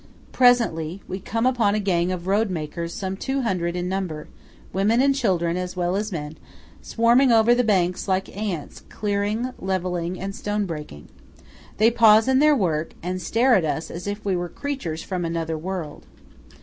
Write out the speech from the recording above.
Presently we come upon a gang of road makers some two hundred in number, women and children as well as men, swarming over the banks like ants, clearing, levelling, and stone breaking. They pause in their work, and stare at us as if we were creatures from another world.